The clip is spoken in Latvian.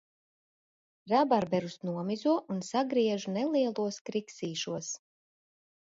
Rabarberus nomizo un sagriež nelielos kriksīšos.